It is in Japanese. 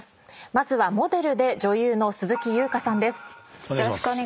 まずはモデルで女優の鈴木ゆうかさんです。